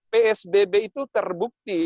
psbb itu terbukti